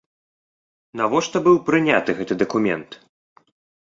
Навошта быў прыняты гэты дакумент?